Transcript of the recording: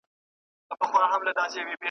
هسي وايي بوالعلا په ټوله ژوند .